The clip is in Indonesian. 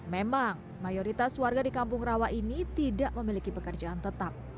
memang mayoritas warga di kampung rawa ini tidak memiliki pekerjaan tetap